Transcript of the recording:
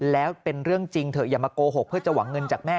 แล้วเป็นเรื่องจริงเถอะอย่ามาโกหกเพื่อจะหวังเงินจากแม่